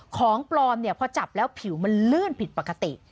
ของปลอมเนี่ยพอจับแล้วผิวมันลื่นผิดปกติ